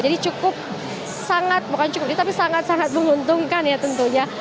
jadi cukup bukan cukup tapi sangat sangat menguntungkan ya tentunya